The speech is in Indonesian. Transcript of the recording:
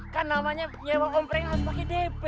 kan namanya ya uang omprang harus pake dp